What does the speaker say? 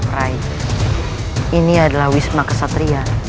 meraih ini adalah wisma kesatria